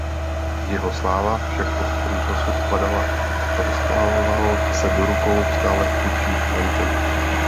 Jeho sláva však postupem času upadala a dostával se do rukou stále chudších majitelů.